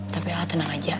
tapi al tenang aja